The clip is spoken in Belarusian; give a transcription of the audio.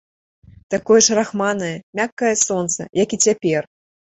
Такое ж рахманае, мяккае сонца, як і цяпер.